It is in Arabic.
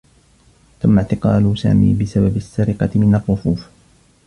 تمّ اعتقال سامي بسبب السّرقة من الرّفوف.